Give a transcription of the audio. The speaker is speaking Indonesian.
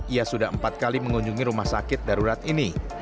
ia sudah empat kali mengunjungi rumah sakit darurat ini